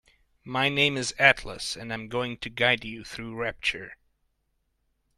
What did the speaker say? My name is Atlas and I'm going to guide you through Rapture.